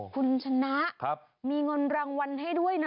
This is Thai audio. คุณชนะมีเงินรางวัลให้ด้วยนะ